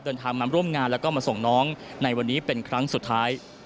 เดินทางมาร่วมงานแล้วก็มาส่งน้องในวันนี้เป็นครั้งสุดท้าย